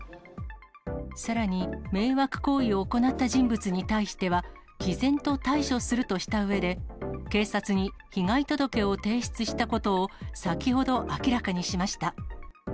さらに、迷惑行為を行った人物に対しては、きぜんと対処するとしたうえで、警察に被害届を提出したことを、先ほど明らかにしました。